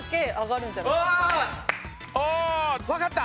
あ分かった！